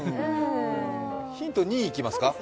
ヒント２いきますか。